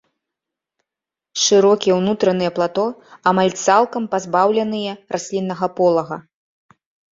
Шырокія ўнутраныя плато амаль цалкам пазбаўленыя расліннага полага.